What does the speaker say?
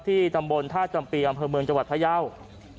ที่ตำบลท่าจำปีอำเภอเมืองจวดพะเยาะ